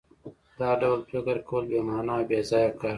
دا ډول فکر کول بې مانا او بېځایه کار دی